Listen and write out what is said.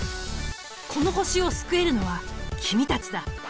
この星を救えるのは君たちだ。